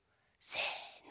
せの！